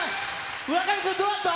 村上君、どうだった？